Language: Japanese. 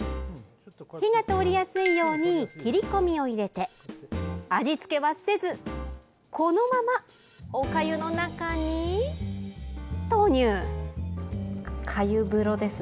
火が通りやすいように切り込みを入れて味付けはせずこのまま、おかゆの中に投入。